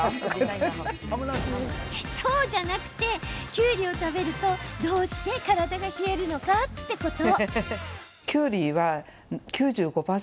きゅうりを食べると、どうして体が冷えるのかってこと！